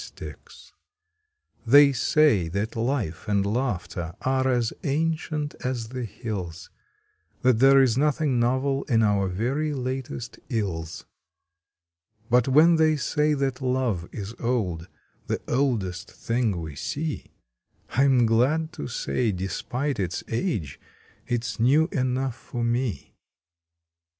June Twenty sixth They say that Life and Laughter are as ancient as the hills; That there is nothing novel in our very latest ills; But when they say that Love is old the oldest thing we see I m glad to say despite its age it s new enough for me!